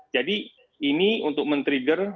jadi ini untuk men trigger